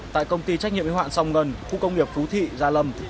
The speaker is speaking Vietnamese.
tại công ty trách nhiệm huyện song ngân khu công nghiệp phú thị gia lâm